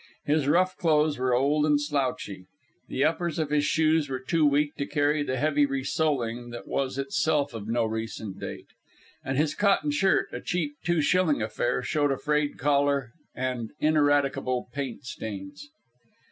His rough clothes were old and slouchy. The uppers of his shoes were too weak to carry the heavy re soling that was itself of no recent date. And his cotton shirt, a cheap, two shilling affair, showed a frayed collar and ineradicable paint stains.